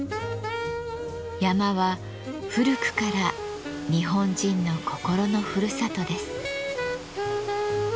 山は古くから日本人の心のふるさとです。